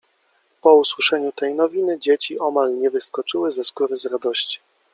Po usłyszeniu tej nowiny dzieci omal nie wyskoczyły ze skóry z radości.